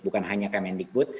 bukan hanya kemendikbud